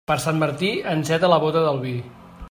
Per Sant Martí, enceta la bóta del vi.